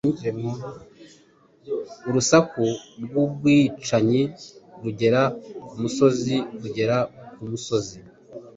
Urusaku rw'ubwicanyi rugera ku musozi kugera ku musozi